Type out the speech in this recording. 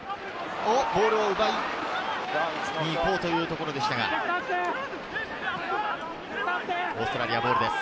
ボールを奪いに行こうというところでしたが、オーストラリアボールです。